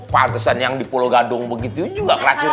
pantesan yang di pulau gadung begitu juga keracun